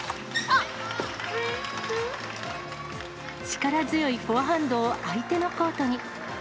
力強いフォアハンドを相手のコートに。